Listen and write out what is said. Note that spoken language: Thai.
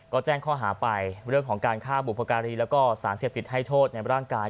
ก็แจ้งข้อหาไปเรื่องของการฆ่าบุพการีแล้วก็สารเสพติดให้โทษในร่างกาย